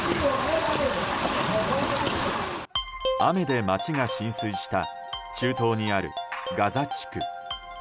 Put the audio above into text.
雨で街が浸水した中東にあるガザ地区。